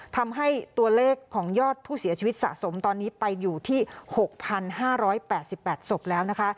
ทำให้ตัวเลขของยอดผู้เสียชีวิตสะสมตอนนี้ไปอยู่ที่๖๕๘๘ศพแล้วนะคะ